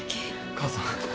母さん。